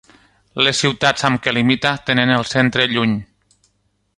Les ciutats amb què limita tenen el centre lluny.